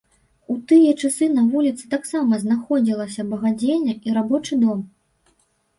У тыя часы на вуліцы таксама знаходзілася багадзельня і рабочы дом.